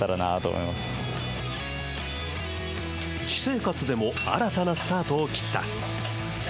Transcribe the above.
私生活でも新たなスタートを切った。